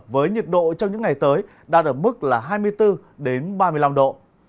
với nhiệt độ trong những ngày tới đạt ở mức là hai mươi bốn ba mươi năm độ